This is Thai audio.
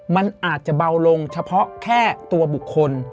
มันอาจจะเบาลงเฉพาะแค่ตัวบุคคล